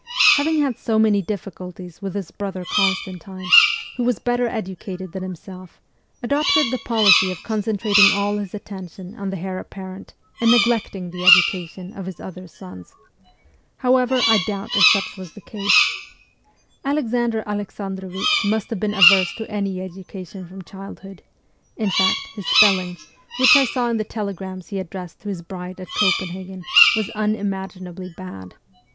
having had so many difficulties with his brother Constantine, who was better educated than him self, adopted the policy of concentrating all his atten tion on the heir apparent and neglecting the education of his other sons ; however, I doubt if such was the case : Alexander Alexandrovich must have been averse to any education from childhood ; in fact, his spelling, which I saw in the telegrams he addressed to his bride at Copenhagen, was unimaginably bad.